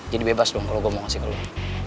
jadi bebas dong kalo gue mau ngasih ke lo